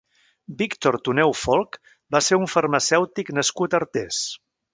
Víctor Tuneu Folch va ser un farmacèutic nascut a Artés.